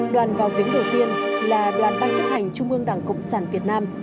đoàn vào viếng đầu tiên là đoàn ban chấp hành trung ương đảng cộng sản việt nam